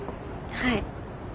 はい。